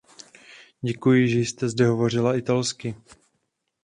Děkuji, že jste zde hovořila italsky.